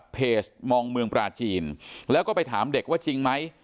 มองเมืองปลาจีนแล้วก็ไปถามเด็กว่าจริงไหม